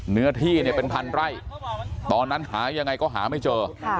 เนื้อที่เนี่ยเป็นพันไร่ตอนนั้นหายังไงก็หาไม่เจอ